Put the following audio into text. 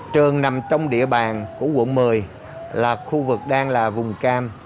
trường nằm trong địa bàn của quận một mươi là khu vực đang là vùng cam